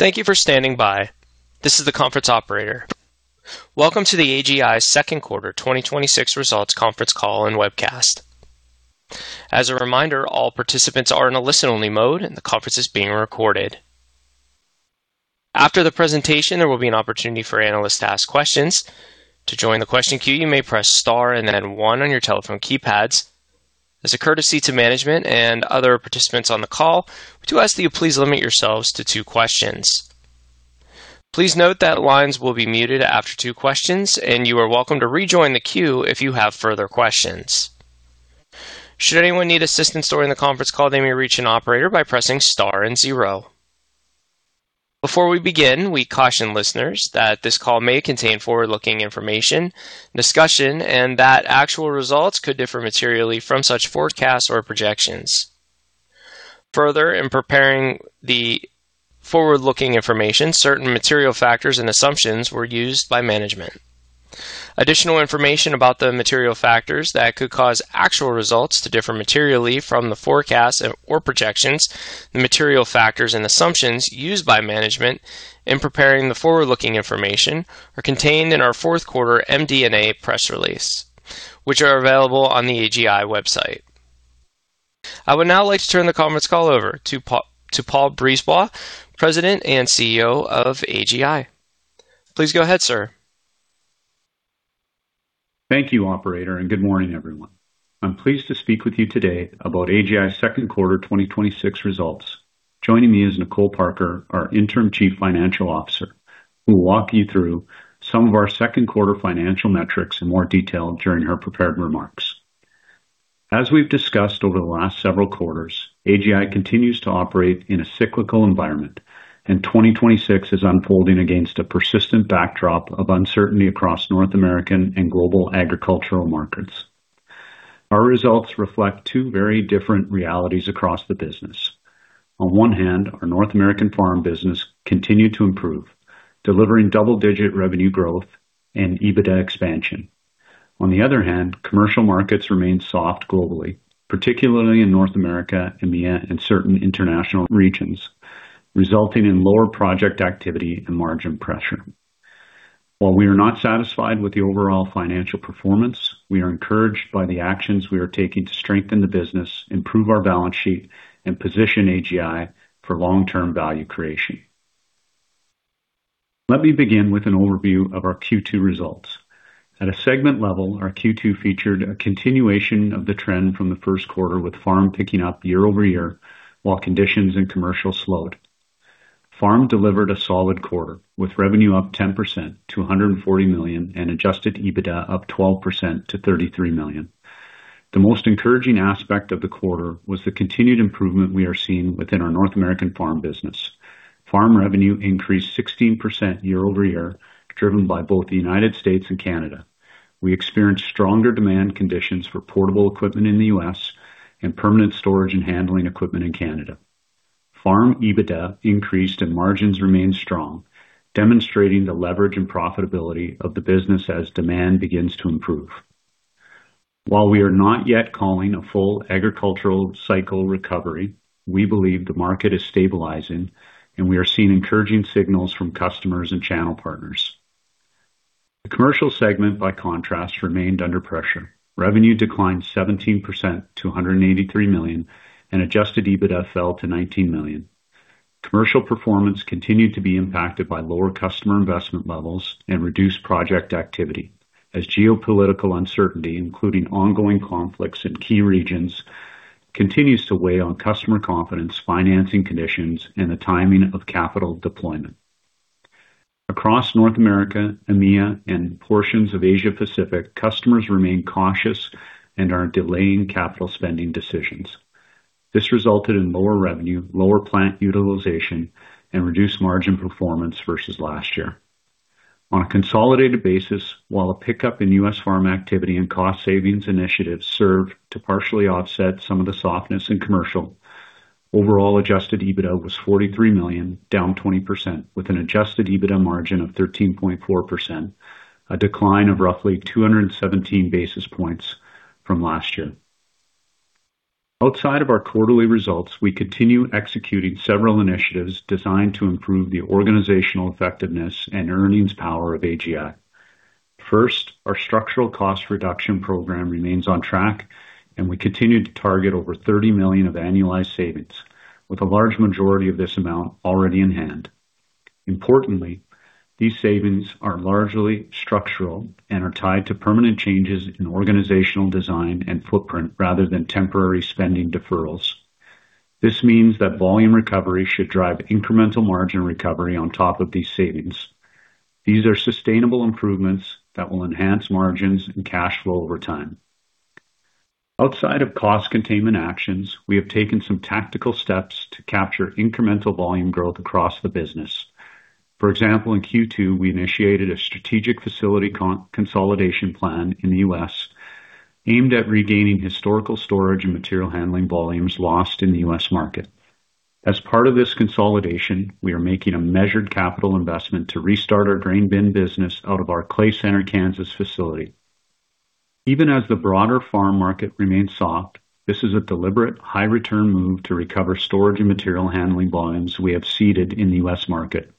Thank you for standing by. This is the conference operator. Welcome to the AGI second quarter 2026 results conference call and webcast. As a reminder, all participants are in a listen-only mode and the conference is being recorded. After the presentation, there will be an opportunity for analysts to ask questions. To join the question queue, you may press star and then one on your telephone keypads. As a courtesy to management and other participants on the call, we do ask that you please limit yourselves to two questions. Please note that lines will be muted after two questions, and you are welcome to rejoin the queue if you have further questions. Should anyone need assistance during the conference call, they may reach an operator by pressing star and zero. Before we begin, we caution listeners that this call may contain forward-looking information and discussion, that actual results could differ materially from such forecasts or projections. Further, in preparing the forward-looking information, certain material factors and assumptions were used by management. Additional information about the material factors that could cause actual results to differ materially from the forecasts or projections, the material factors and assumptions used by management in preparing the forward-looking information are contained in our fourth quarter MD&A press release, which are available on the AGI website. I would now like to turn the conference call over to Paul Brisebois, President and CEO of AGI. Please go ahead, sir. Thank you, operator, good morning, everyone. I am pleased to speak with you today about AGI's second quarter 2026 results. Joining me is Nicolle Parker, our interim Chief Financial Officer, who will walk you through some of our second quarter financial metrics in more detail during her prepared remarks. As we've discussed over the last several quarters, AGI continues to operate in a cyclical environment, 2026 is unfolding against a persistent backdrop of uncertainty across North American and global agricultural markets. Our results reflect two very different realities across the business. On one hand, our North American farm business continued to improve, delivering double-digit revenue growth and EBITDA expansion. On the other hand, commercial markets remain soft globally, particularly in North America, EMEA, and certain international regions, resulting in lower project activity and margin pressure. While we are not satisfied with the overall financial performance, we are encouraged by the actions we are taking to strengthen the business, improve our balance sheet, position AGI for long-term value creation. Let me begin with an overview of our Q2 results. At a segment level, our Q2 featured a continuation of the trend from the first quarter, with farm picking up year-over-year while conditions in commercial slowed. Farm delivered a solid quarter, with revenue up 10% to 140 million and adjusted EBITDA up 12% to 33 million. The most encouraging aspect of the quarter was the continued improvement we are seeing within our North American farm business. Farm revenue increased 16% year-over-year, driven by both the U.S. and Canada. We experienced stronger demand conditions for portable equipment in the U.S. and permanent storage and handling equipment in Canada. Farm EBITDA increased and margins remained strong, demonstrating the leverage and profitability of the business as demand begins to improve. While we are not yet calling a full agricultural cycle recovery, we believe the market is stabilizing and we are seeing encouraging signals from customers and channel partners. The commercial segment, by contrast, remained under pressure. Revenue declined 17% to 183 million and adjusted EBITDA fell to 19 million. Commercial performance continued to be impacted by lower customer investment levels and reduced project activity as geopolitical uncertainty, including ongoing conflicts in key regions, continues to weigh on customer confidence, financing conditions, and the timing of capital deployment. Across North America, EMEA, and portions of Asia Pacific, customers remain cautious and are delaying capital spending decisions. This resulted in lower revenue, lower plant utilization, and reduced margin performance versus last year. On a consolidated basis, while a pickup in U.S. farm activity and cost savings initiatives served to partially offset some of the softness in commercial, overall adjusted EBITDA was 43 million, down 20%, with an adjusted EBITDA margin of 13.4%, a decline of roughly 217 basis points from last year. Outside of our quarterly results, we continue executing several initiatives designed to improve the organizational effectiveness and earnings power of AGI. Our structural cost reduction program remains on track, and we continue to target over 30 million of annualized savings, with a large majority of this amount already in hand. Importantly, these savings are largely structural and are tied to permanent changes in organizational design and footprint rather than temporary spending deferrals. This means that volume recovery should drive incremental margin recovery on top of these savings. These are sustainable improvements that will enhance margins and cash flow over time. Outside of cost containment actions, we have taken some tactical steps to capture incremental volume growth across the business. For example, in Q2, we initiated a strategic facility consolidation plan in the U.S. aimed at regaining historical storage and material handling volumes lost in the U.S. market. As part of this consolidation, we are making a measured capital investment to restart our grain bin business out of our Clay Center, Kansas facility. Even as the broader farm market remains soft, this is a deliberate high-return move to recover storage and material handling volumes we have ceded in the U.S. market.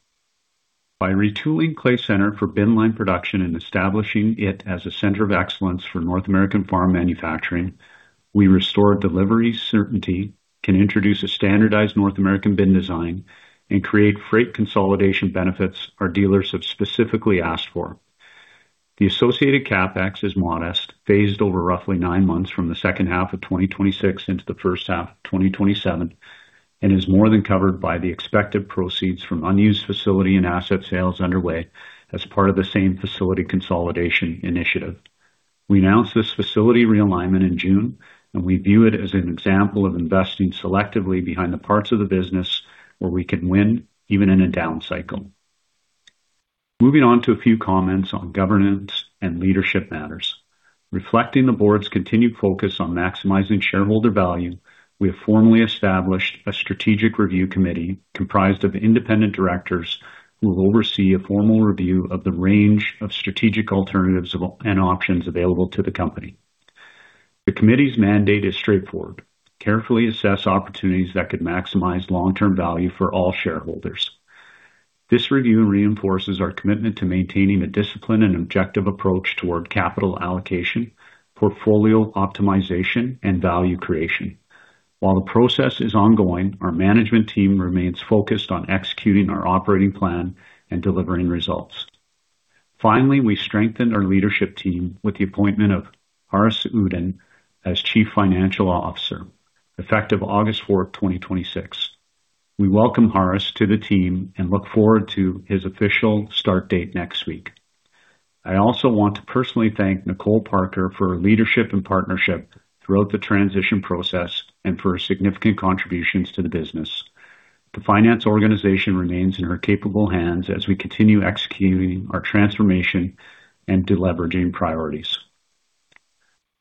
By retooling Clay Center for bin line production and establishing it as a center of excellence for North American farm manufacturing, we restore delivery certainty, can introduce a standardized North American bin design, and create freight consolidation benefits our dealers have specifically asked for. The associated CapEx is modest, phased over roughly nine months from the second half of 2026 into the first half of 2027, and is more than covered by the expected proceeds from unused facility and asset sales underway as part of the same facility consolidation initiative. We announced this facility realignment in June, and we view it as an example of investing selectively behind the parts of the business where we can win even in a down cycle. Moving on to a few comments on governance and leadership matters. Reflecting the board's continued focus on maximizing shareholder value, we have formally established a strategic review committee comprised of independent directors who will oversee a formal review of the range of strategic alternatives and options available to the company. The committee's mandate is straightforward: carefully assess opportunities that could maximize long-term value for all shareholders. This review reinforces our commitment to maintaining a disciplined and objective approach toward capital allocation, portfolio optimization, and value creation. While the process is ongoing, our management team remains focused on executing our operating plan and delivering results. Finally, we strengthened our leadership team with the appointment of Haaris Uddin as Chief Financial Officer, effective August 4th, 2026. We welcome Haaris to the team and look forward to his official start date next week. I also want to personally thank Nicolle Parker for her leadership and partnership throughout the transition process and for her significant contributions to the business. The finance organization remains in her capable hands as we continue executing our transformation and deleveraging priorities.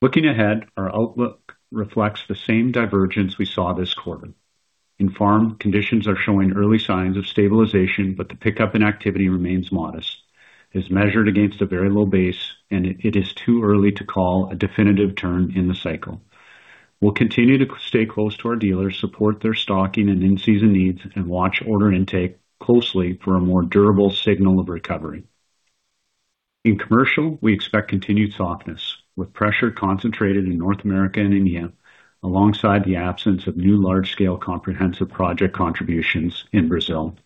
Looking ahead, our outlook reflects the same divergence we saw this quarter. In farm, conditions are showing early signs of stabilization, but the pickup in activity remains modest, is measured against a very low base, and it is too early to call a definitive turn in the cycle. We'll continue to stay close to our dealers, support their stocking and in-season needs, and watch order intake closely for a more durable signal of recovery. In commercial, we expect continued softness, with pressure concentrated in North America and India, alongside the absence of new large-scale comprehensive project contributions in Brazil.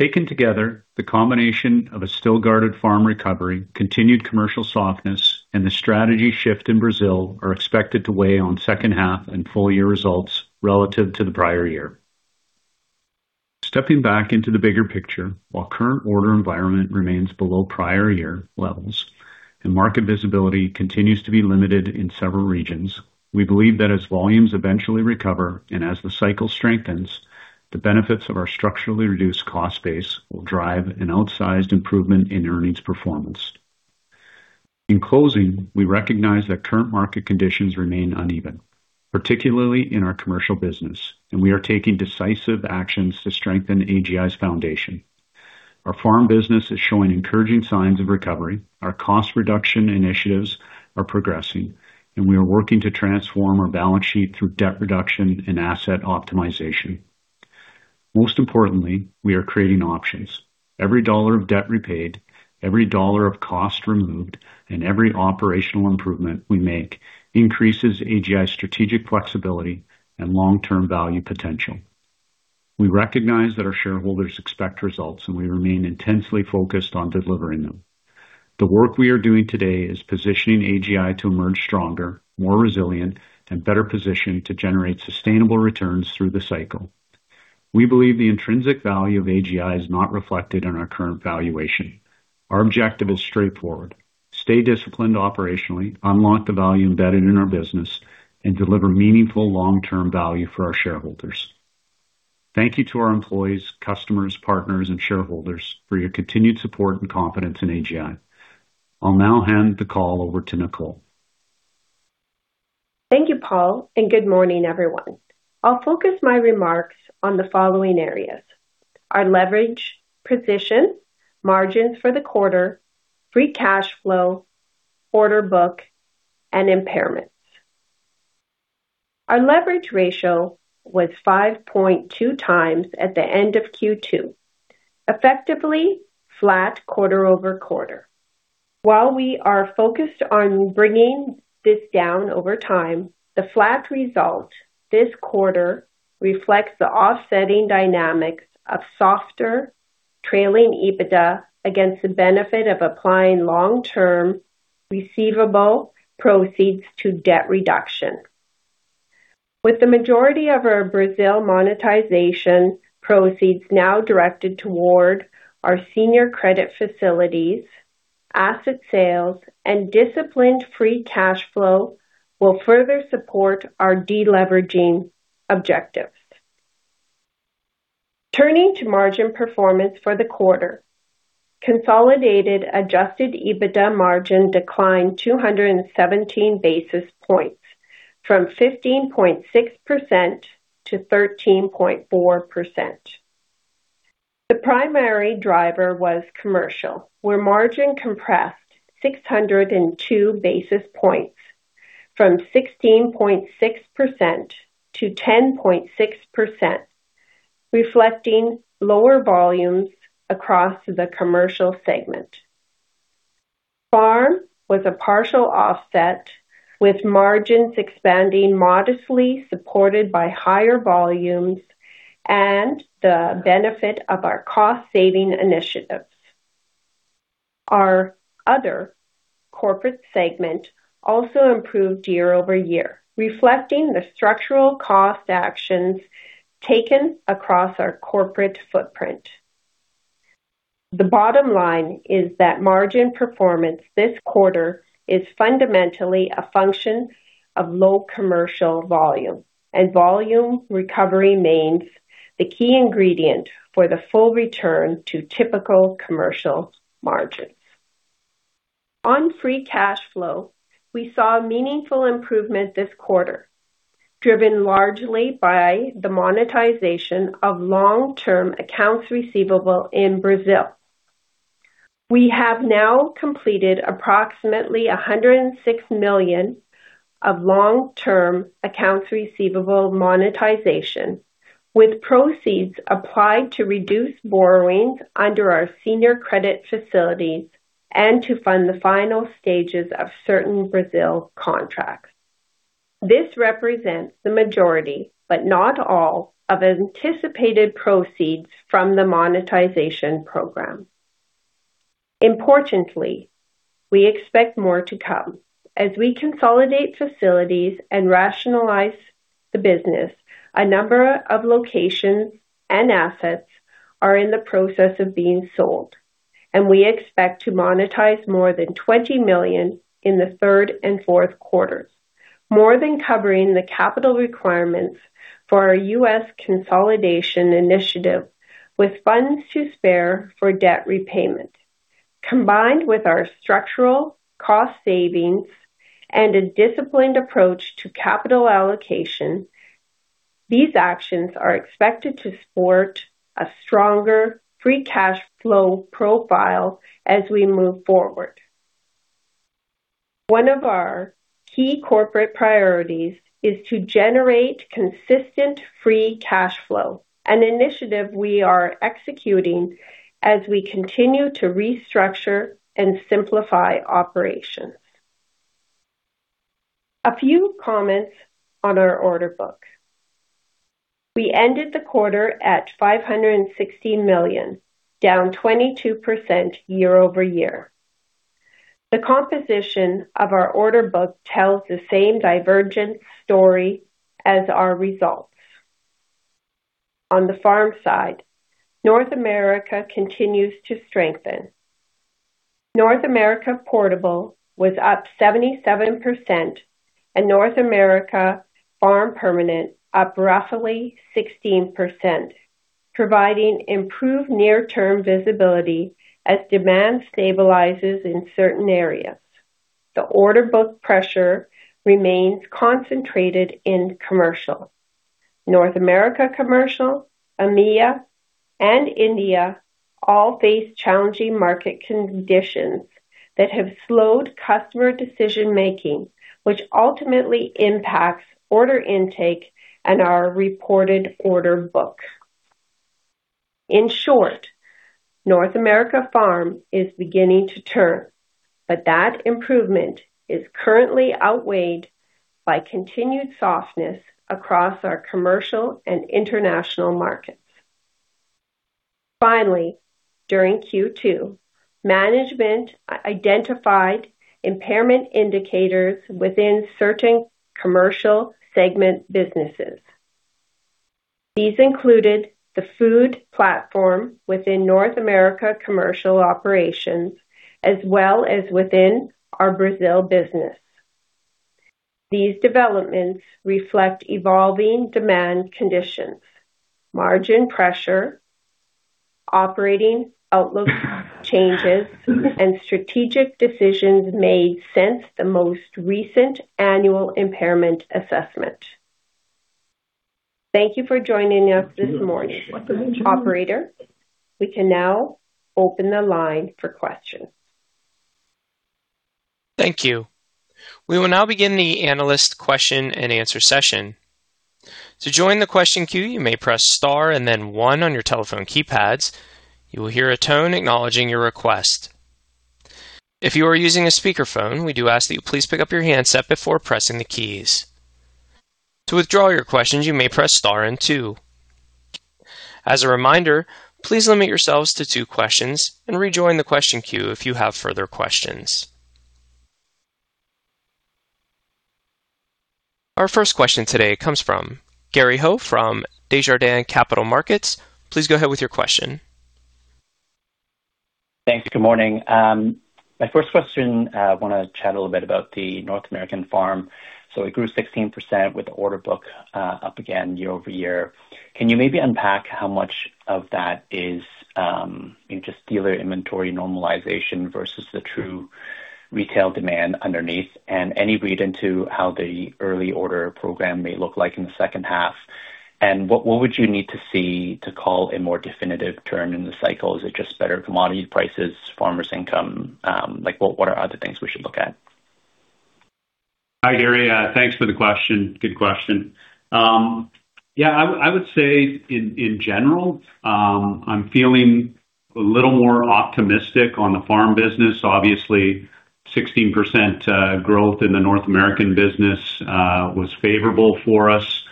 Taken together, the combination of a still guarded farm recovery, continued commercial softness, and the strategy shift in Brazil are expected to weigh on second half and full-year results relative to the prior year. Stepping back into the bigger picture, while current order environment remains below prior year levels and market visibility continues to be limited in several regions, we believe that as volumes eventually recover and as the cycle strengthens, the benefits of our structurally reduced cost base will drive an outsized improvement in earnings performance. In closing, we recognize that current market conditions remain uneven, particularly in our commercial business, and we are taking decisive actions to strengthen AGI's foundation. Our farm business is showing encouraging signs of recovery. Our cost reduction initiatives are progressing, and we are working to transform our balance sheet through debt reduction and asset optimization. Most importantly, we are creating options. Every dollar of debt repaid, every dollar of cost removed, and every operational improvement we make increases AGI's strategic flexibility and long-term value potential. We recognize that our shareholders expect results, and we remain intensely focused on delivering them. The work we are doing today is positioning AGI to emerge stronger, more resilient, and better positioned to generate sustainable returns through the cycle. We believe the intrinsic value of AGI is not reflected in our current valuation. Our objective is straightforward: stay disciplined operationally, unlock the value embedded in our business, and deliver meaningful long-term value for our shareholders. Thank you to our employees, customers, partners, and shareholders for your continued support and confidence in AGI. I'll now hand the call over to Nicolle. Thank you, Paul, and good morning, everyone. I'll focus my remarks on the following areas: our leverage position, margins for the quarter, free cash flow, order book, and impairments. Our leverage ratio was 5.2x at the end of Q2, effectively flat quarter-over-quarter. While we are focused on bringing this down over time, the flat result this quarter reflects the offsetting dynamics of softer trailing EBITDA against the benefit of applying long-term receivable proceeds to debt reduction. With the majority of our Brazil monetization proceeds now directed toward our senior credit facilities, asset sales and disciplined free cash flow will further support our deleveraging objectives. Turning to margin performance for the quarter, consolidated adjusted EBITDA margin declined 217 basis points from 15.6%-13.4%. The primary driver was commercial, where margin compressed 602 basis points from 16.6%-10.6%, reflecting lower volumes across the commercial segment. Farm was a partial offset, with margins expanding modestly, supported by higher volumes and the benefit of our cost-saving initiatives. Our other corporate segment also improved year-over-year, reflecting the structural cost actions taken across our corporate footprint. The bottom line is that margin performance this quarter is fundamentally a function of low commercial volume, and volume recovery remains the key ingredient for the full return to typical commercial margins. On free cash flow, we saw a meaningful improvement this quarter, driven largely by the monetization of long-term accounts receivable in Brazil. We have now completed approximately 106 million of long-term accounts receivable monetization, with proceeds applied to reduce borrowings under our senior credit facility and to fund the final stages of certain Brazil contracts. This represents the majority, but not all, of anticipated proceeds from the monetization program. Importantly, we expect more to come. As we consolidate facilities and rationalize the business, a number of locations and assets are in the process of being sold, we expect to monetize more than 20 million in the third and fourth quarters, more than covering the capital requirements for our U.S. consolidation initiative, with funds to spare for debt repayment. Combined with our structural cost savings and a disciplined approach to capital allocation, these actions are expected to support a stronger free cash flow profile as we move forward. One of our key corporate priorities is to generate consistent free cash flow, an initiative we are executing as we continue to restructure and simplify operations. A few comments on our order book. We ended the quarter at 516 million, down 22% year-over-year. The composition of our order book tells the same divergent story as our results. On the farm side, North America continues to strengthen. North America Portable was up 77%, and North America Farm Permanent up roughly 16%, providing improved near-term visibility as demand stabilizes in certain areas. The order book pressure remains concentrated in commercial. North America Commercial, EMEA, and India all face challenging market conditions that have slowed customer decision-making, which ultimately impacts order intake and our reported order book. In short, North America Farm is beginning to turn, that improvement is currently outweighed by continued softness across our commercial and international markets. Finally, during Q2, management identified impairment indicators within certain commercial segment businesses. These included the food platform within North America Commercial Operations as well as within our Brazil business. These developments reflect evolving demand conditions, margin pressure, operating outlook changes, and strategic decisions made since the most recent annual impairment assessment. Thank you for joining us this morning. Operator, we can now open the line for questions. Thank you. We will now begin the analyst question and answer session. To join the question queue, you may press star and then one on your telephone keypads. You will hear a tone acknowledging your request. If you are using a speakerphone, we do ask that you please pick up your handset before pressing the keys. To withdraw your questions, you may press star and two. As a reminder, please limit yourselves to two questions and rejoin the question queue if you have further questions. Our first question today comes from Gary Ho from Desjardins Capital Markets. Please go ahead with your question. Thanks. Good morning. My first question, I want to chat a little bit about the North American Farm. It grew 16% with the order book up again year-over-year. Can you maybe unpack how much of that is just dealer inventory normalization versus the true retail demand underneath, and any read into how the early order program may look like in the second half. What would you need to see to call a more definitive turn in the cycle? Is it just better commodity prices, farmers' income? What are other things we should look at? Hi, Gary. Thanks for the question. Good question. I would say in general, I'm feeling a little more optimistic on the farm business. Obviously, 16% growth in the North American business was favorable for us.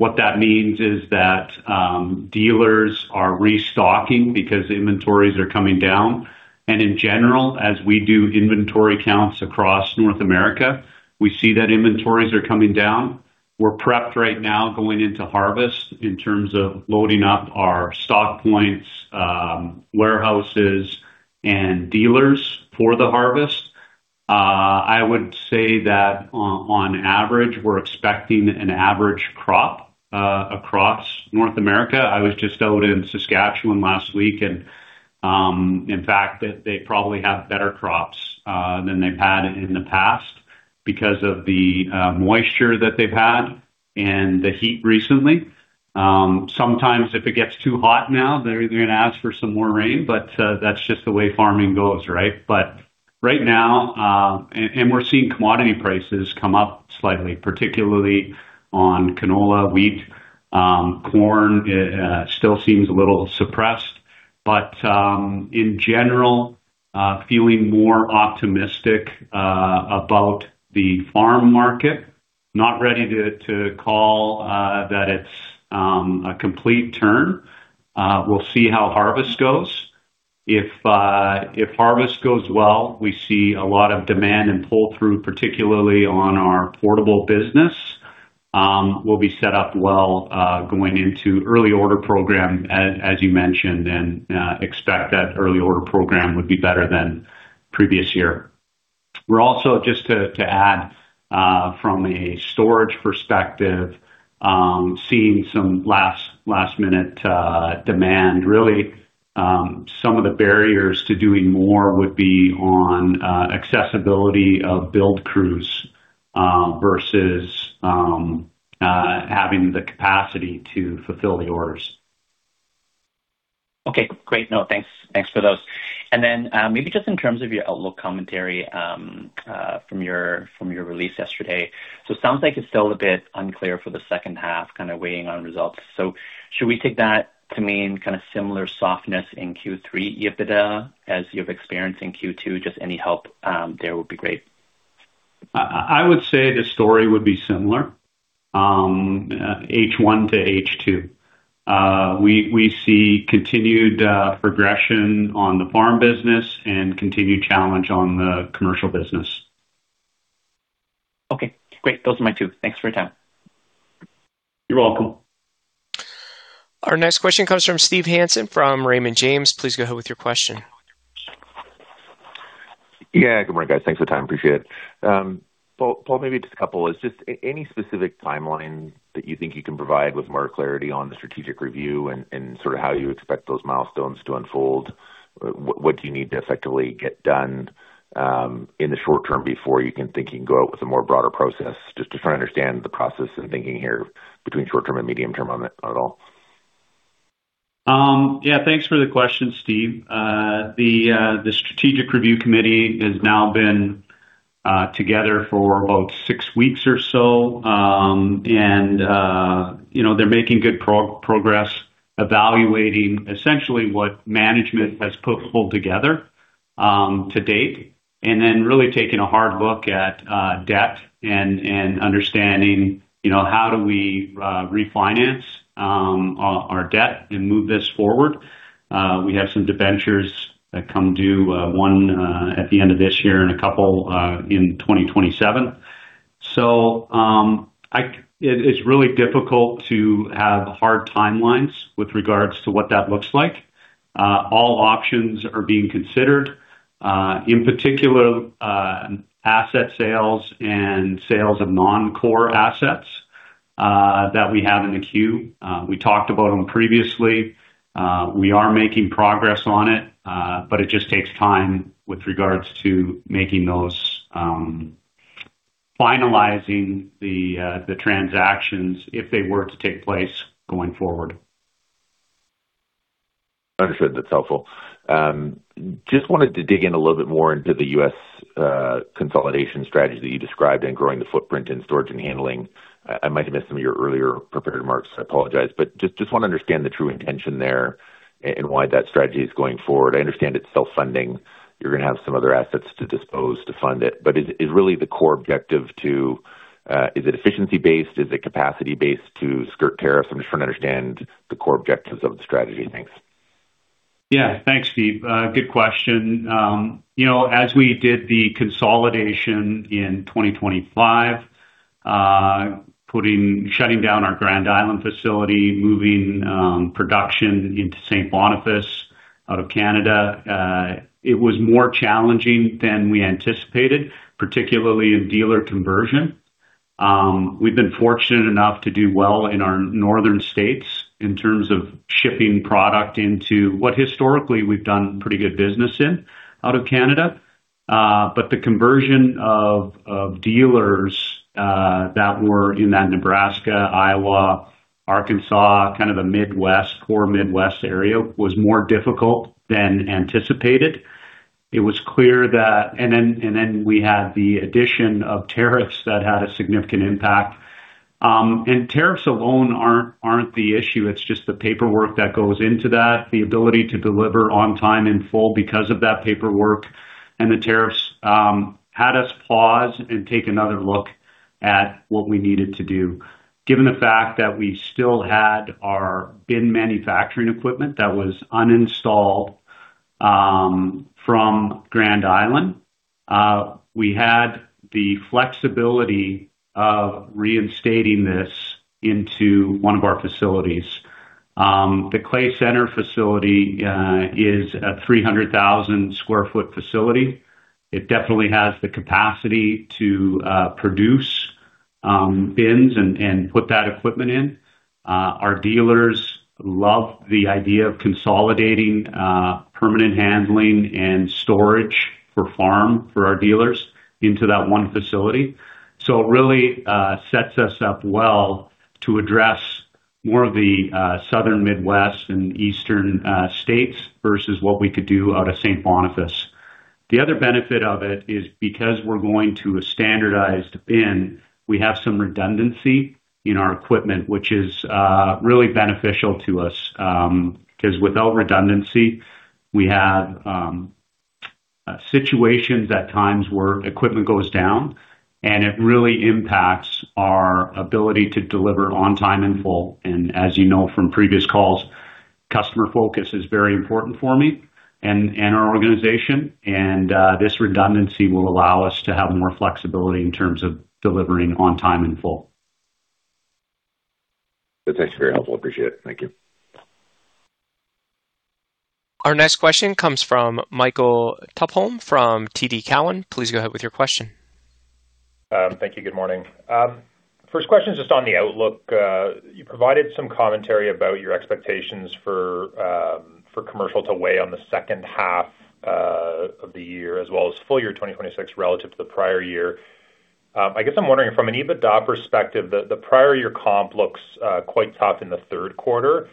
What that means is that dealers are restocking because inventories are coming down. In general, as we do inventory counts across North America, we see that inventories are coming down. We're prepped right now going into harvest in terms of loading up our stock points, warehouses, and dealers for the harvest. I would say that on average, we're expecting an average crop across North America. I was just out in Saskatchewan last week, and in fact, they probably have better crops than they've had in the past because of the moisture that they've had and the heat recently. Sometimes if it gets too hot now, they're going to ask for some more rain, but that's just the way farming goes, right? Right now, we're seeing commodity prices come up slightly, particularly on canola, wheat. Corn still seems a little suppressed. In general, feeling more optimistic about the farm market. Not ready to call that it's a complete turn. We'll see how harvest goes. If harvest goes well, we see a lot of demand and pull-through, particularly on our portable business. We'll be set up well going into early order program, as you mentioned, and expect that early order program would be better than previous year. We're also, just to add from a storage perspective, seeing some last-minute demand really. Some of the barriers to doing more would be on accessibility of build crews versus having the capacity to fulfill the orders. Okay, great. No, thanks. Thanks for those. Maybe just in terms of your outlook commentary from your release yesterday. It sounds like it's still a bit unclear for the second half, kind of waiting on results. Should we take that to mean kind of similar softness in Q3 EBITDA as you've experienced in Q2? Just any help there would be great. I would say the story would be similar H1-H2. We see continued progression on the farm business and continued challenge on the commercial business. Okay, great. Those are my two. Thanks for your time. You're welcome. Our next question comes from Steven Hansen from Raymond James. Please go ahead with your question. Yeah, good morning, guys. Thanks for the time, appreciate it. Paul, maybe just a couple. Is just any specific timeline that you think you can provide with more clarity on the strategic review and sort of how you expect those milestones to unfold? What do you need to effectively get done in the short term before you can think you can go out with a more broader process? Just trying to understand the process and thinking here between short term and medium term on it at all. Yeah. Thanks for the question, Steve. The strategic review committee has now been together for about six weeks or so. They're making good progress evaluating essentially what management has pulled together to date, and then really taking a hard look at debt and understanding how do we refinance our debt and move this forward. We have some debentures that come due, one at the end of this year and a couple in 2027. It's really difficult to have hard timelines with regards to what that looks like. All options are being considered. In particular, asset sales and sales of non-core assets that we have in the queue. We talked about them previously. We are making progress on it, but it just takes time with regards to finalizing the transactions if they were to take place going forward. Understood. That's helpful. Just wanted to dig in a little bit more into the U.S. consolidation strategy that you described and growing the footprint in storage and handling. I might have missed some of your earlier prepared remarks, I apologize, but just want to understand the true intention there and why that strategy is going forward. I understand it's self-funding. You're going to have some other assets to dispose to fund it, but is really the core objective? Is it efficiency-based? Is it capacity-based to skirt tariffs? I'm just trying to understand the core objectives of the strategy. Thanks. Yeah. Thanks, Steven. Good question. As we did the consolidation in 2025, shutting down our Grand Island facility, moving production into St. Boniface out of Canada, it was more challenging than we anticipated, particularly in dealer conversion. We've been fortunate enough to do well in our northern states in terms of shipping product into what historically we've done pretty good business in out of Canada. The conversion of dealers that were in that Nebraska, Iowa, Kansas, kind of a poor Midwest area, was more difficult than anticipated. Then we had the addition of tariffs that had a significant impact. Tariffs alone aren't the issue, it's just the paperwork that goes into that, the ability to deliver on time in full because of that paperwork, and the tariffs had us pause and take another look at what we needed to do. Given the fact that we still had our bin manufacturing equipment that was uninstalled from Grand Island, we had the flexibility of reinstating this into one of our facilities. The Clay Center facility is a 300,000 sq ft facility. It definitely has the capacity to produce bins and put that equipment in. Our dealers love the idea of consolidating permanent handling and storage for farm for our dealers into that one facility. It really sets us up well to address more of the Southern Midwest and Eastern states versus what we could do out of St. Boniface. The other benefit of it is because we're going to a standardized bin, we have some redundancy in our equipment, which is really beneficial to us. Without redundancy, we have situations at times where equipment goes down, and it really impacts our ability to deliver on time in full. As you know from previous calls, customer focus is very important for me and our organization. This redundancy will allow us to have more flexibility in terms of delivering on time in full. That's very helpful. Appreciate it. Thank you. Our next question comes from Michael Tupholme from TD Cowen. Please go ahead with your question. Thank you. Good morning. First question is just on the outlook. You provided some commentary about your expectations for commercial to weigh on the second half of the year as well as full year 2026 relative to the prior year. I guess I'm wondering from an EBITDA perspective, the prior year comp looks quite tough in the third quarter,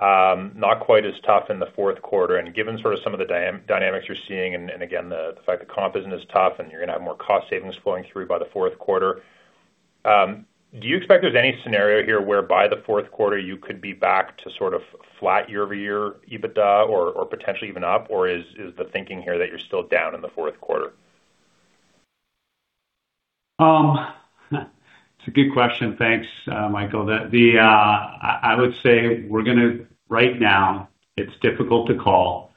not quite as tough in the fourth quarter. Given sort of some of the dynamics you're seeing and again, the fact the comp isn't as tough and you're going to have more cost savings flowing through by the fourth quarter, do you expect there's any scenario here where by the fourth quarter you could be back to sort of flat year-over-year EBITDA or potentially even up? Or is the thinking here that you're still down in the fourth quarter? It's a good question. Thanks, Michael. I would say right now it's difficult to call.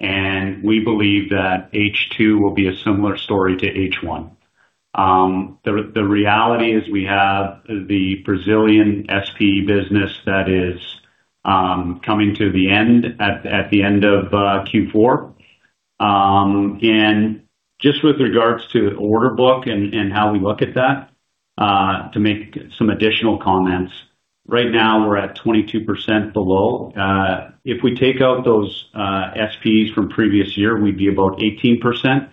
We believe that H2 will be a similar story to H1. The reality is we have the Brazilian SPE business that is coming to the end at the end of Q4. Just with regards to order book and how we look at that, to make some additional comments, right now we're at 22% below. If we take out those SPEs from previous year, we'd be about 18%.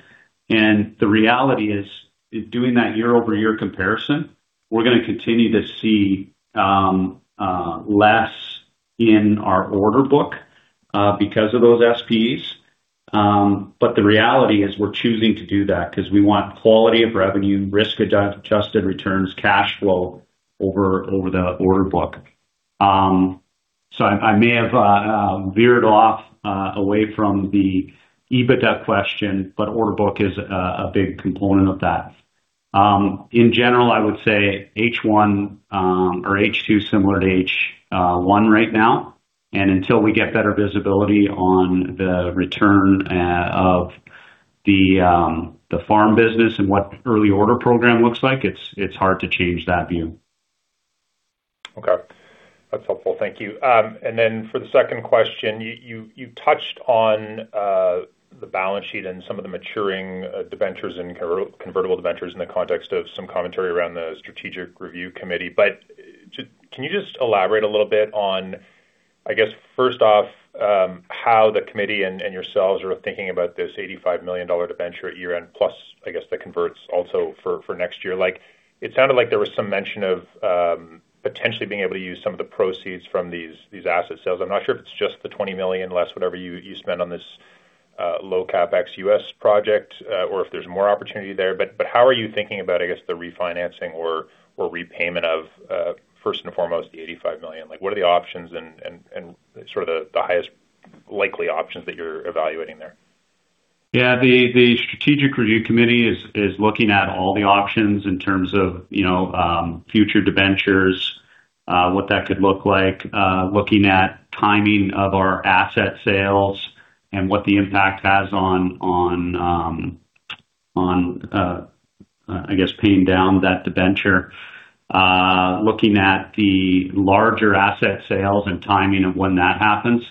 The reality is, doing that year-over-year comparison, we're going to continue to see less in our order book because of those SPEs. The reality is we're choosing to do that because we want quality of revenue, risk-adjusted returns, cash flow over the order book. I may have veered off away from the EBITDA question, but order book is a big component of that. In general, I would say H2 is similar to H1 right now, and until we get better visibility on the return of the farm business and what early order program looks like, it's hard to change that view. Okay. That's helpful. Thank you. For the second question, you touched on the balance sheet and some of the maturing debentures and convertible debentures in the context of some commentary around the strategic review committee. Can you just elaborate a little bit on, I guess, first off, how the committee and yourselves are thinking about this 85 million dollar debenture at year end plus, I guess, the converts also for next year? It sounded like there was some mention of potentially being able to use some of the proceeds from these asset sales. I'm not sure if it's just the 20 million less whatever you spend on this low CapEx U.S. project, or if there's more opportunity there. How are you thinking about, I guess, the refinancing or repayment of, first and foremost, the 85 million? What are the options and sort of the highest likely options that you're evaluating there? Yeah. The strategic review committee is looking at all the options in terms of future debentures, what that could look like. Looking at timing of our asset sales and what the impact has on, I guess, paying down that debenture. Looking at the larger asset sales and timing of when that happens.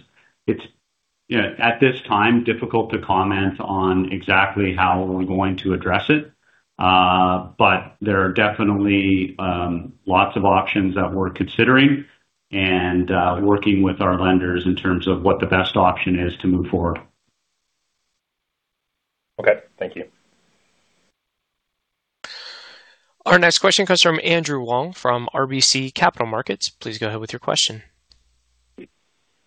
Yeah. At this time, difficult to comment on exactly how we're going to address it. There are definitely lots of options that we're considering and working with our lenders in terms of what the best option is to move forward. Okay. Thank you. Our next question comes from Andrew Wong from RBC Capital Markets. Please go ahead with your question.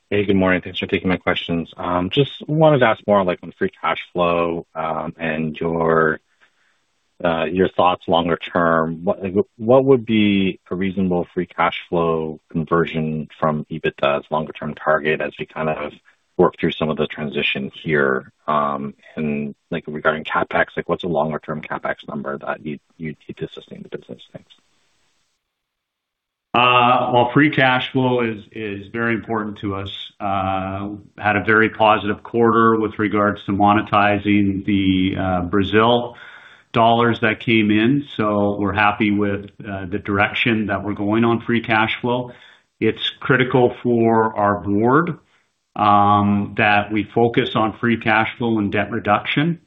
Hey, good morning. Thanks for taking my questions. Just wanted to ask more on free cash flow and your thoughts longer term. What would be a reasonable free cash flow conversion from EBITDA as longer term target as we work through some of the transition here? Regarding CapEx, what's a longer-term CapEx number that you'd need to sustain the business? Thanks. Well, free cash flow is very important to us. Had a very positive quarter with regards to monetizing the Brazil dollars that came in. We're happy with the direction that we're going on free cash flow. It's critical for our board that we focus on free cash flow and debt reduction.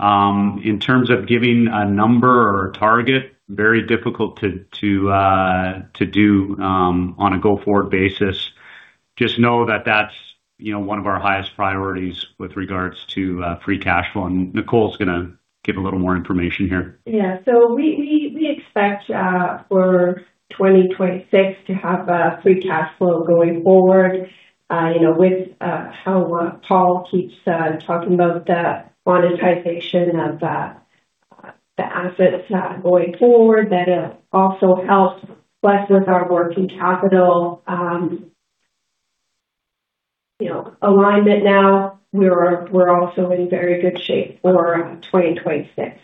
In terms of giving a number or a target, very difficult to do on a go-forward basis. Just know that that's one of our highest priorities with regards to free cash flow. Nicolle is going to give a little more information here. Yeah. We expect for 2026 to have a free cash flow going forward. With how Paul keeps talking about the monetization of the assets going forward, that also helps us with our working capital alignment now. We're also in very good shape for 2026.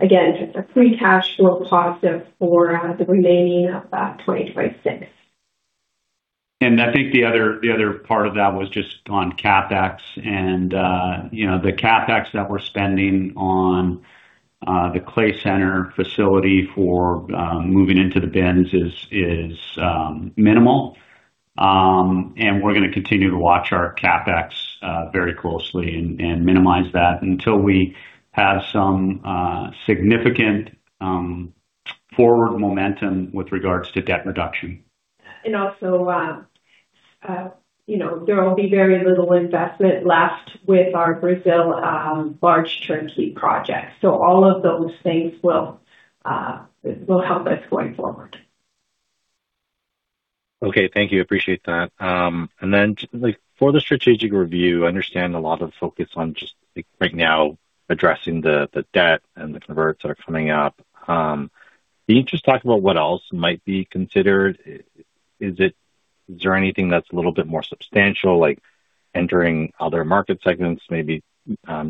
Again, just a free cash flow positive for the remaining of 2026. I think the other part of that was just on CapEx. The CapEx that we're spending on the Clay Center facility for moving into the bins is minimal. We're going to continue to watch our CapEx very closely and minimize that until we have some significant forward momentum with regards to debt reduction. Also there will be very little investment left with our Brazil large turnkey project. All of those things will help us going forward. Okay. Thank you. Appreciate that. For the strategic review, I understand a lot of focus on just right now addressing the debt and the converts that are coming up. Can you just talk about what else might be considered? Is there anything that's a little bit more substantial, like entering other market segments, maybe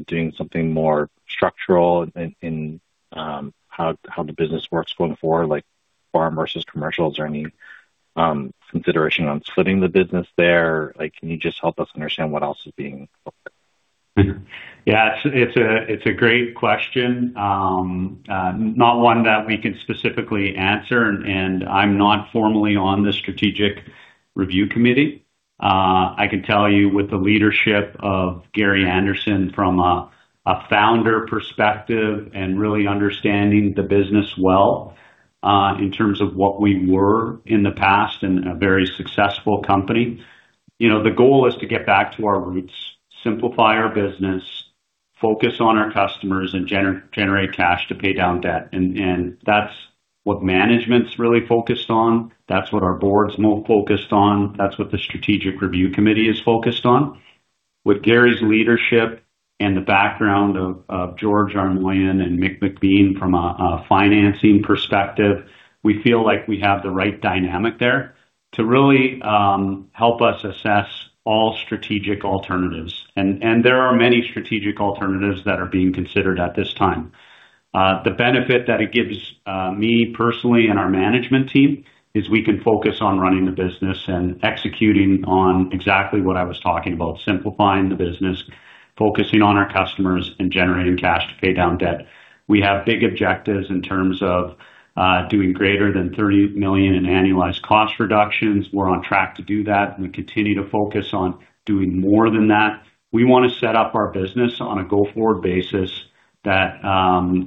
doing something more structural in how the business works going forward, like farm versus commercial? Is there any consideration on splitting the business there? Can you just help us understand what else is being looked at? Yeah. It's a great question. Not one that we can specifically answer, and I'm not formally on the strategic review committee. I can tell you with the leadership of Gary Anderson from a founder perspective and really understanding the business well in terms of what we were in the past and a very successful company, the goal is to get back to our roots, simplify our business, focus on our customers, and generate cash to pay down debt. That's what management's really focused on. That's what our board's more focused on. That's what the strategic review committee is focused on. With Gary's leadership and the background of George Armoyan and Mick MacBean from a financing perspective, we feel like we have the right dynamic there to really help us assess all strategic alternatives. There are many strategic alternatives that are being considered at this time. The benefit that it gives me personally and our management team is we can focus on running the business and executing on exactly what I was talking about, simplifying the business, focusing on our customers, and generating cash to pay down debt. We have big objectives in terms of doing greater than 30 million in annualized cost reductions. We're on track to do that, and we continue to focus on doing more than that. We want to set up our business on a go-forward basis that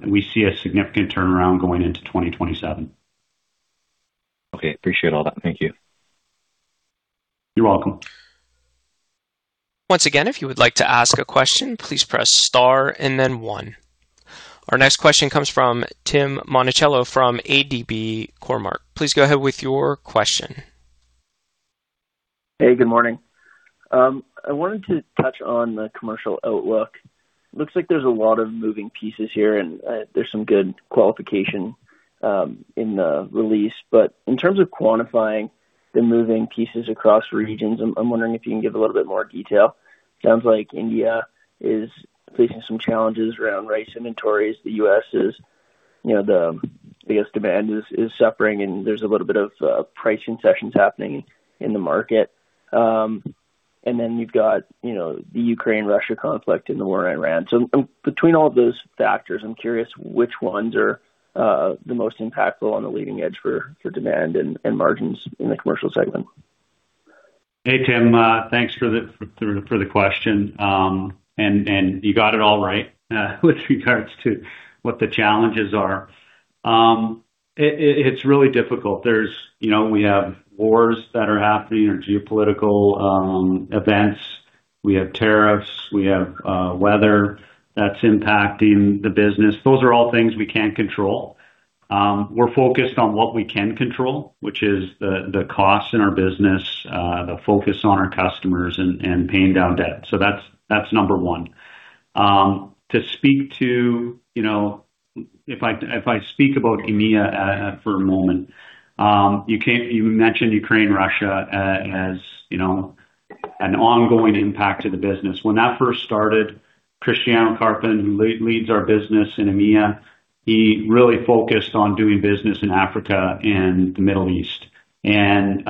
we see a significant turnaround going into 2027. Okay. Appreciate all that. Thank you. You're welcome. Once again, if you would like to ask a question, please press star and then one. Our next question comes from Tim Monachello from ATB Cormark. Please go ahead with your question. Hey, good morning. I wanted to touch on the commercial outlook. Looks like there's a lot of moving pieces here, and there's some good qualification in the release. In terms of quantifying the moving pieces across regions, I'm wondering if you can give a little bit more detail. Sounds like India is facing some challenges around rice inventories. The U.S.'s biggest demand is suffering, and there's a little bit of pricing sessions happening in the market. You've got the Ukraine-Russia conflict and the war in Iran. Between all of those factors, I'm curious which ones are the most impactful on the leading edge for demand and margins in the commercial segment? Hey, Tim. Thanks for the question. You got it all right with regards to what the challenges are. It's really difficult. We have wars that are happening or geopolitical events. We have tariffs, we have weather that's impacting the business. Those are all things we can't control. We're focused on what we can control, which is the cost in our business, the focus on our customers and paying down debt. That's number one. If I speak about EMEA for a moment, you mentioned Ukraine-Russia as an ongoing impact to the business. When that first started, Cristiano Carpin, who leads our business in EMEA, he really focused on doing business in Africa and the Middle East, and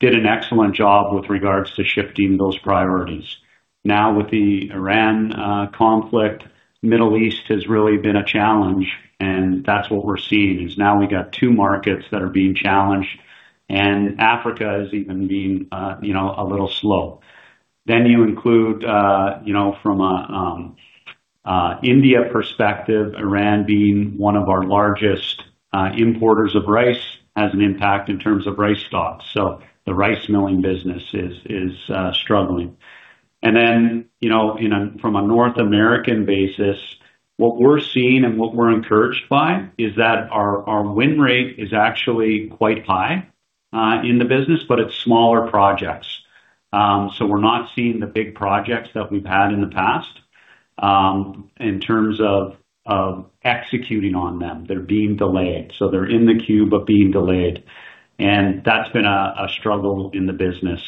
did an excellent job with regards to shifting those priorities. With the Iran conflict, Middle East has really been a challenge, and that's what we're seeing is now we've got two markets that are being challenged, and Africa is even being a little slow. You include, from India perspective, Iran being one of our largest importers of rice has an impact in terms of rice stocks. The rice milling business is struggling. From a North American basis, what we're seeing and what we're encouraged by is that our win rate is actually quite high in the business, but it's smaller projects. We're not seeing the big projects that we've had in the past in terms of executing on them. They're being delayed. They're in the queue but being delayed, and that's been a struggle in the business.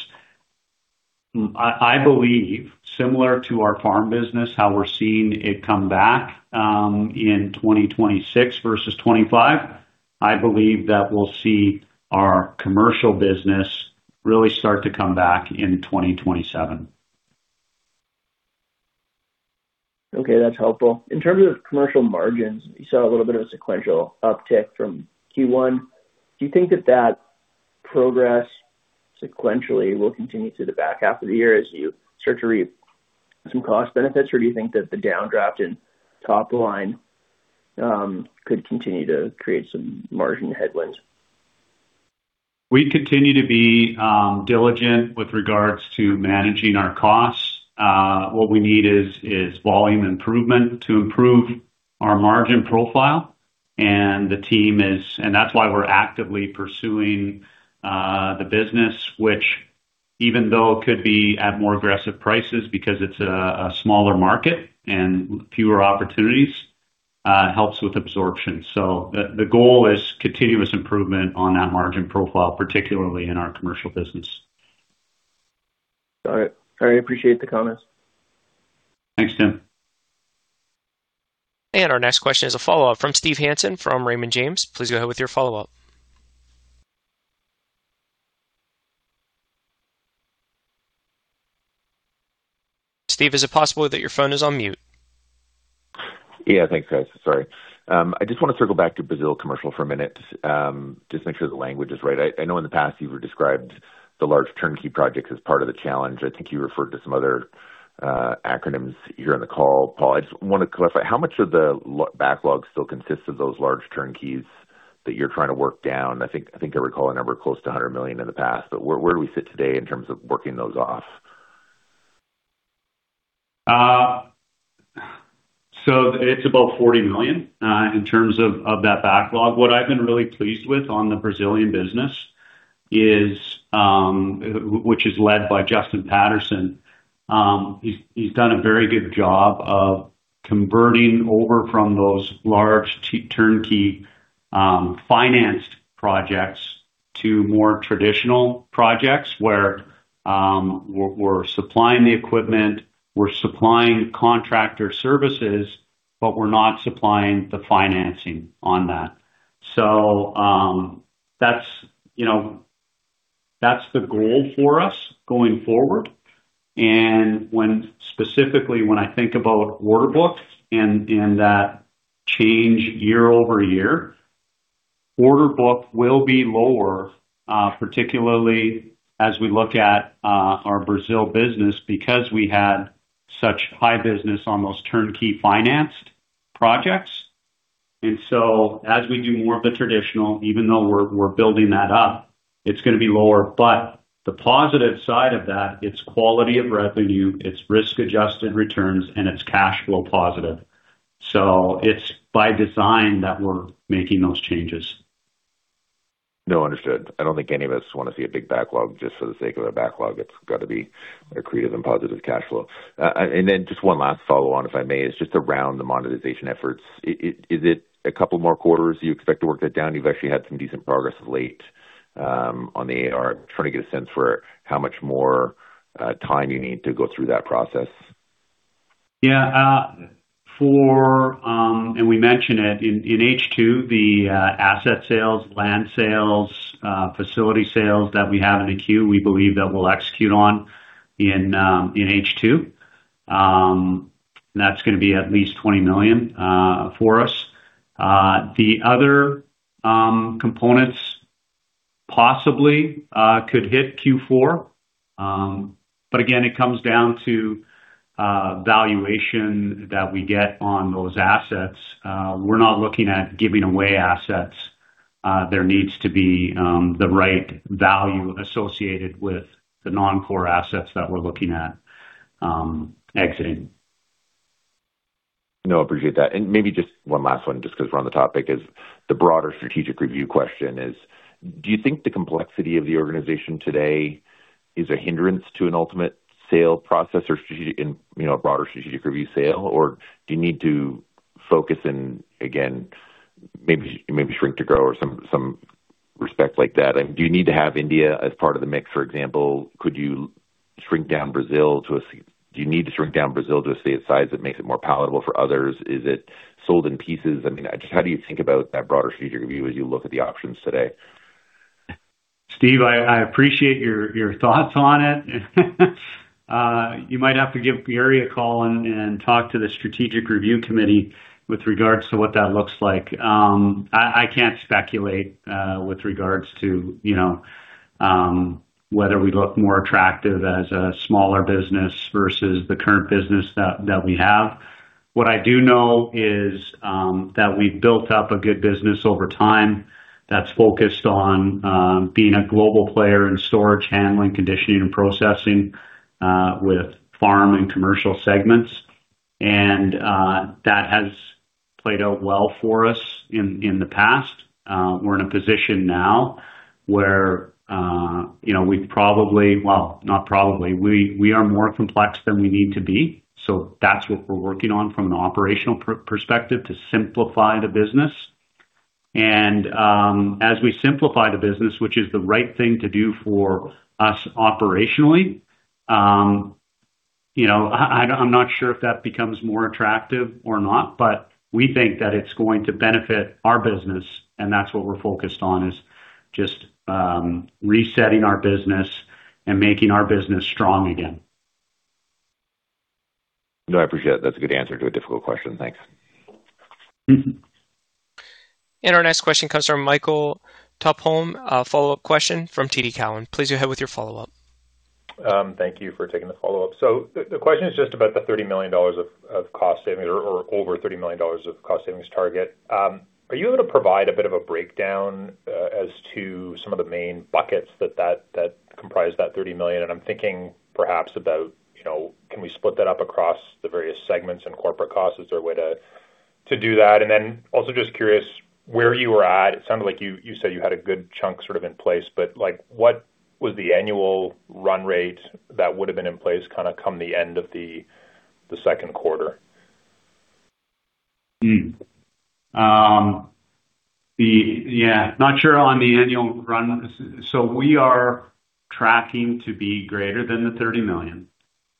I believe similar to our farm business, how we're seeing it come back in 2026 versus 2025, I believe that we'll see our commercial business really start to come back in 2027. Okay. That's helpful. In terms of commercial margins, you saw a little bit of a sequential uptick from Q1. Do you think that that progress sequentially will continue through the back half of the year as you start to reap some cost benefits? Or do you think that the downdraft in top line could continue to create some margin headwinds? We continue to be diligent with regards to managing our costs. What we need is volume improvement to improve our margin profile. That's why we're actively pursuing the business, which even though it could be at more aggressive prices because it's a smaller market and fewer opportunities, helps with absorption. The goal is continuous improvement on that margin profile, particularly in our commercial business. All right. I appreciate the comments. Thanks, Tim. Our next question is a follow-up from Steven Hansen from Raymond James. Please go ahead with your follow-up. Steve, is it possible that your phone is on mute? Yeah. Thanks, guys. Sorry. I just want to circle back to Brazil commercial for a minute, just make sure the language is right. I know in the past you've described the large turnkey projects as part of the challenge. I think you referred to some other acronyms here in the call, Paul. I just want to clarify, how much of the backlog still consists of those large turnkeys that you're trying to work down? I think I recall a number close to 100 million in the past, but where do we sit today in terms of working those off? It's about 40 million in terms of that backlog. What I've been really pleased with on the Brazilian business, which is led by Justin Paterson, he's done a very good job of converting over from those large turnkey financed projects to more traditional projects where we're supplying the equipment, we're supplying contractor services, but we're not supplying the financing on that. That's the goal for us going forward. Specifically, when I think about order book and that change year-over-year, order book will be lower, particularly as we look at our Brazil business because we had such high business on those turnkey financed projects. As we do more of the traditional, even though we're building that up, it's going to be lower. The positive side of that, it's quality of revenue, it's risk-adjusted returns, and it's cash flow positive. It's by design that we're making those changes. Understood. I don't think any of us want to see a big backlog just for the sake of a backlog. It's got to be accretive and positive cash flow. Just one last follow-on, if I may, is just around the monetization efforts. Is it a couple more quarters you expect to work that down? You've actually had some decent progress late on the AR. I'm trying to get a sense for how much more time you need to go through that process. We mentioned it in H2, the asset sales, land sales, facility sales that we have in the queue, we believe that we'll execute on in H2. That's going to be at least 20 million for us. The other components possibly could hit Q4, again, it comes down to valuation that we get on those assets. We're not looking at giving away assets. There needs to be the right value associated with the non-core assets that we're looking at exiting. Appreciate that. Maybe just one last one, just because we're on the topic, is the broader strategic review question is: Do you think the complexity of the organization today is a hindrance to an ultimate sale process or a broader strategic review sale? Or do you need to focus and, again, maybe shrink to grow or some respect like that? Do you need to have India as part of the mix, for example? Could you shrink down Brazil to a size that makes it more palatable for others? Is it sold in pieces? How do you think about that broader strategic review as you look at the options today? Steven Hansen, I appreciate your thoughts on it. You might have to give Gary Anderson a call and talk to the strategic review committee with regards to what that looks like. I can't speculate with regards to whether we look more attractive as a smaller business versus the current business that we have. What I do know is that we've built up a good business over time that's focused on being a global player in storage handling, conditioning, and processing with farm and commercial segments. That has played out well for us in the past. We're in a position now where we are more complex than we need to be, so that's what we're working on from an operational perspective to simplify the business. As we simplify the business, which is the right thing to do for us operationally, I'm not sure if that becomes more attractive or not, but we think that it's going to benefit our business, and that's what we're focused on is just resetting our business and making our business strong again. No, I appreciate it. That's a good answer to a difficult question. Thanks. Our next question comes from Michael Tupholme, a follow-up question from TD Cowen. Please go ahead with your follow-up. Thank you for taking the follow-up. The question is just about the 30 million dollars of cost savings or over 30 million dollars of cost savings target. Are you able to provide a bit of a breakdown as to some of the main buckets that comprise that 30 million? I'm thinking perhaps about can we split that up across the various segments and corporate costs? Is there a way to do that? Then also just curious where you are at. It sounded like you said you had a good chunk sort of in place, but what was the annual run rate that would've been in place come the end of the second quarter? Yeah. Not sure on the annual run. We are tracking to be greater than the 30 million.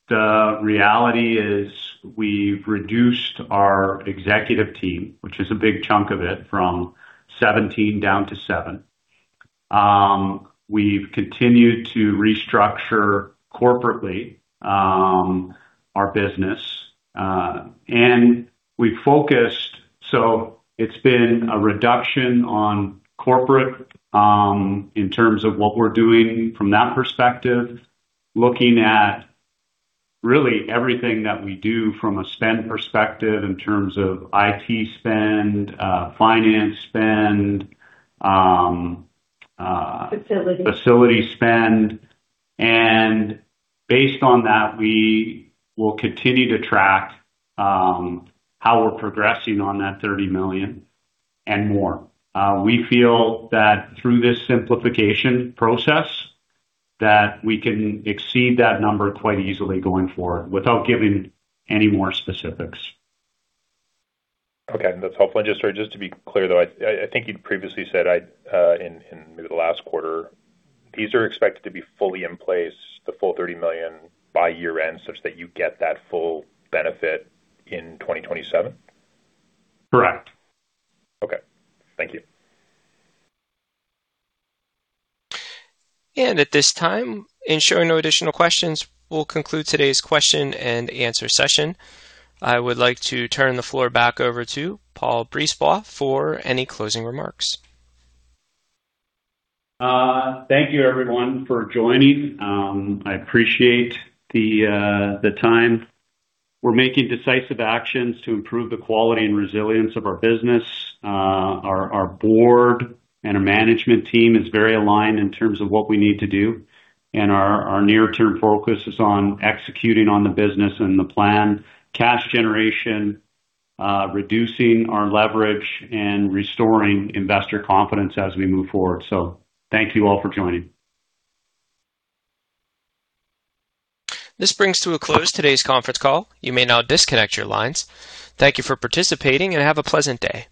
The reality is we've reduced our executive team, which is a big chunk of it, from 17 down to seve. We've continued to restructure corporately our business. We focused. It's been a reduction on corporate in terms of what we're doing from that perspective, looking at really everything that we do from a spend perspective in terms of IT spend, finance spend, facility spend. Based on that, we will continue to track how we're progressing on that 30 million and more. We feel that through this simplification process, that we can exceed that number quite easily going forward without giving any more specifics. Okay. That's helpful. Just to be clear, though, I think you previously said in maybe the last quarter, these are expected to be fully in place, the full 30 million, by year-end such that you get that full benefit in 2027? Correct. Okay. Thank you. At this time, ensuring no additional questions, we'll conclude today's question and answer session. I would like to turn the floor back over to Paul Brisebois for any closing remarks. Thank you everyone for joining. I appreciate the time. We're making decisive actions to improve the quality and resilience of our business. Our board and our management team is very aligned in terms of what we need to do, our near-term focus is on executing on the business and the plan, cash generation, reducing our leverage, and restoring investor confidence as we move forward. Thank you all for joining. This brings to a close today's conference call. You may now disconnect your lines. Thank you for participating, and have a pleasant day.